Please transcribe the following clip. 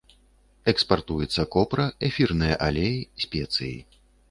Экспартуецца копра, эфірныя алеі, спецыі.